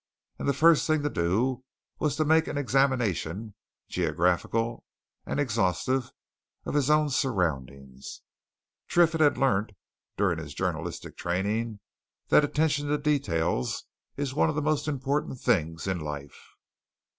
And the first thing to do was to make an examination, geographical and exhaustive, of his own surroundings: Triffitt had learnt, during his journalistic training, that attention to details is one of the most important things in life.